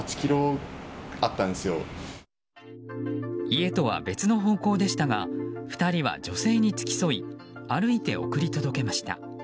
家とは別の方向でしたが２人は女性に付き添い歩いて送り届けました。